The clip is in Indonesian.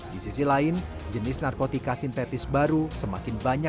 di sisi lain jenis narkotika sintetis baru semakin banyak